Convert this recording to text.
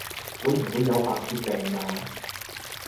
會唔會有白血病㗎？